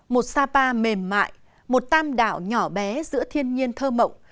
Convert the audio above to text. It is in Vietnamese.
một sapa mềm mại một tam đảo nhỏ bé giữa thiên nhiên thơ mộng